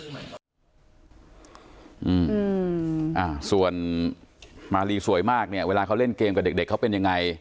อืมอ่าส่วนมาลีสวยมากเนี่ยเวลาเขาเล่นเกมกับเด็กเด็กเขาเป็นยังไง